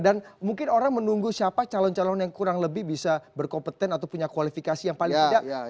mungkin orang menunggu siapa calon calon yang kurang lebih bisa berkompeten atau punya kualifikasi yang paling tidak